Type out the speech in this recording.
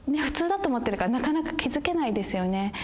普通だと思ってるからなかなか気付けないですよね。